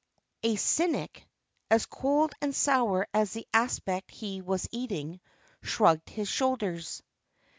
A cynic, as cold and sour as the aspic he was eating, shrugged his shoulders.